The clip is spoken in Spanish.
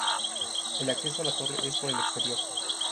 El acceso a la torre es por el exterior.